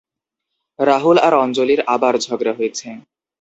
রাহুল আর অঞ্জলির আবার ঝগড়া হয়েছে।